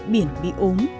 biển bị ốm